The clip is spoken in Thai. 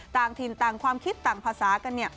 ต่างถิ่นต่างความคิดต่างภาษากัน